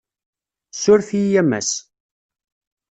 Ssuref-iyi a Mass.